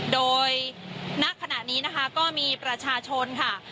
โดยณขณะนี้นะคะก็มีประชาชนค่ะ